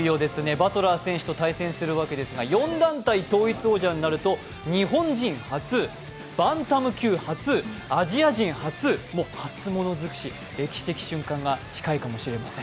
バトラー選手と対戦するわけですが、４団体統一王者になると日本人初、バンタム級初、アジア人初、初物づくし歴史的瞬間が近いかもしれません。